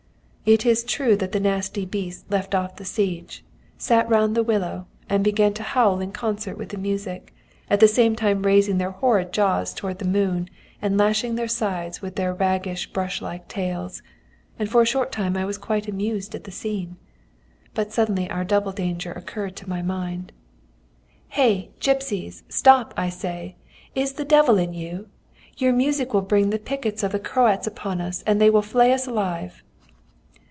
"It is true that the nasty brutes left off the siege, sat round the willow, and began to howl in concert with the music, at the same time raising their horrid jaws towards the moon, and lashing their sides with their ragged brush like tails; and for a short time I was quite amused at the scene. But suddenly our double danger occurred to my mind. "'Hey! gipsies. Stop, I say! Is the devil in you? Your music will bring the pickets of the Croats upon us, and they will flay us alive.'